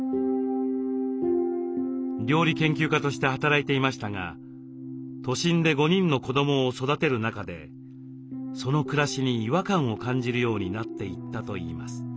料理研究家として働いていましたが都心で５人の子どもを育てる中でその暮らしに違和感を感じるようになっていったといいます。